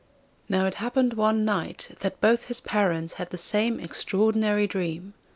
Now it happened one night that both his parents had the same extraordinary dream.